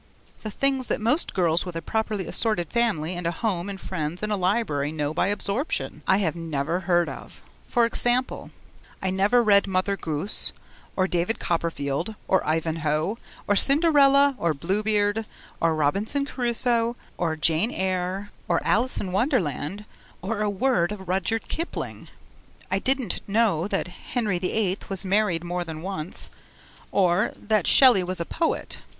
The things that most girls with a properly assorted family and a home and friends and a library know by absorption, I have never heard of. For example: I never read Mother Goose or David Copperfield or Ivanhoe or Cinderella or Blue Beard or Robinson Crusoe or Jane Eyre or Alice in Wonderland or a word of Rudyard Kipling. I didn't know that Henry the Eighth was married more than once or that Shelley was a poet.